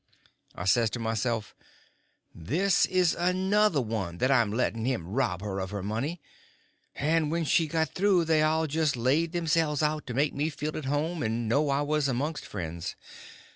I says to myself, this is another one that I'm letting him rob her of her money. And when she got through they all jest laid theirselves out to make me feel at home and know I was amongst friends.